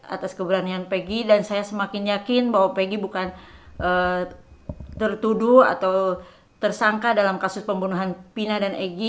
atas keberanian peggy dan saya semakin yakin bahwa peggy bukan tertuduh atau tersangka dalam kasus pembunuhan pina dan egy